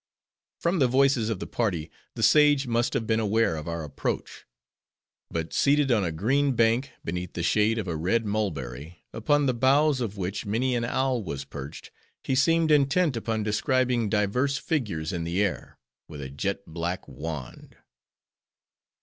From the voices of the party, the sage must have been aware of our approach: but seated on a green bank, beneath the shade of a red mulberry, upon the boughs of which, many an owl was perched, he seemed intent upon describing divers figures in the air, with a jet black wand.